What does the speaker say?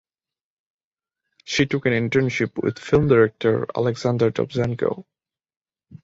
She took an internship with film director Alexander Dovzhenko.